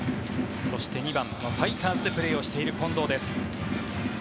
そして２番ファイターズでプレーをしている近藤です。